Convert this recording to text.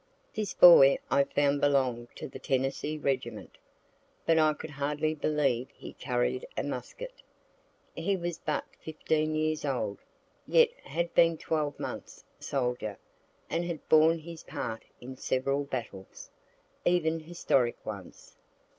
This boy I found belonged to the Tennessee regiment. But I could hardly believe he carried a musket. He was but 15 years old, yet had been twelve months a soldier, and had borne his part in several battles, even historic ones.